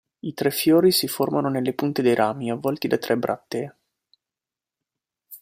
I tre fiori si formano nelle punte dei rami, avvolti da tre brattee.